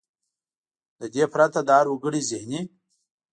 له دې پرته د هر وګړي زهني .